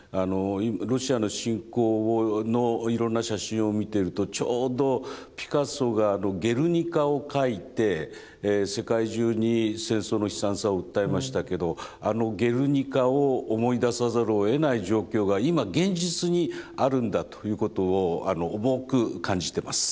ロシアの侵攻のいろんな写真を見てるとちょうどピカソが「ゲルニカ」を描いて世界中に戦争の悲惨さを訴えましたけどあの「ゲルニカ」を思い出さざるをえない状況が今現実にあるんだということを重く感じてます。